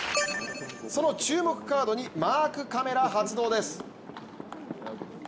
その注目カードにマークカメラ発動です。